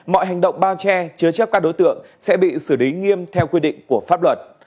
mọi hành động bao che chứa chấp các đối tượng sẽ bị xử lý nghiêm theo quy định của pháp luật